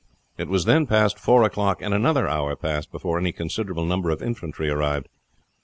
It was then past four o'clock, and another hour passed before any considerable number of infantry arrived.